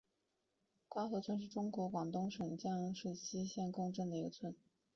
官河村是中国广东省阳江市阳西县织贡镇的一个村。